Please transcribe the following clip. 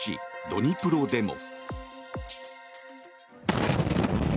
ドニプロでも。